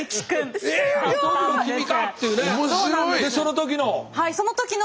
でその時の。